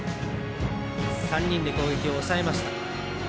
３人で攻撃を抑えました。